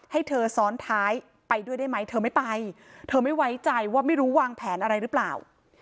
ให้เธอซ้อนท้ายไปด้วยได้ไหมเธอไม่ไปเธอไม่ไว้ใจว่าไม่รู้วางแผนอะไรหรือเปล่า